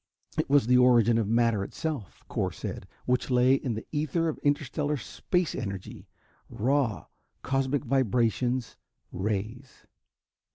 It was the origin of matter itself, Cor said, which lay in the ether of interstellar space energy, raw, cosmic vibrations, rays.